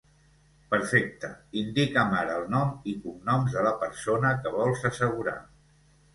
Perfecte. Indica'm ara el nom i cognoms de la persona que vols assegurar.